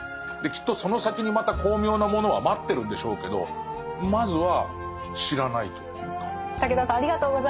きっとその先にまた巧妙なものは待ってるんでしょうけどまずは知らないとという感じですね。